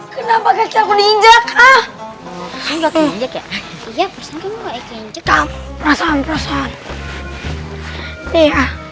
kenapa kek aku diinjak ah